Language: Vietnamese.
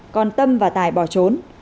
còn tâm và tài bỏ trốn